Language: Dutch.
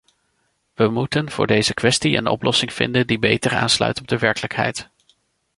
We moeten voor deze kwestie een oplossing vinden die beter aansluit op de werkelijkheid.